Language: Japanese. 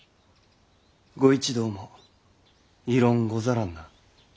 御一同も異論ござらんな？